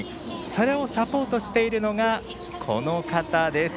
それをサポートしているのがこの方です。